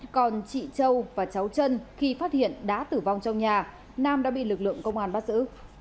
còn chị châu và cháu trân khi phát hiện đã tử vong trong nhà nam đã bị lực lượng công an bắt giữ